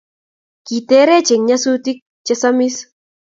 Kiterech en nyasutik che samis